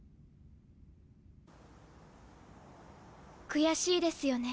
悔しいですよね。